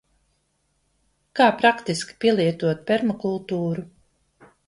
Kā praktiski pielietot permakultūru?